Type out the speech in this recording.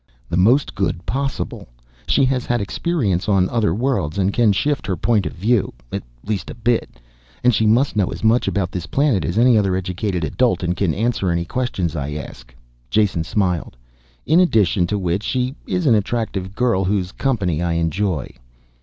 "The most good possible. She has had experience on other worlds and can shift her point of view at least a bit. And she must know as much about this planet as any other educated adult and can answer any questions I ask." Jason smiled. "In addition to which she is an attractive girl, whose company I enjoy."